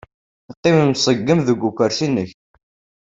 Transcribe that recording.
Qqim mṣeggem deg ukersi-nnek.